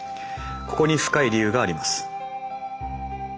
ここに深い理由があります。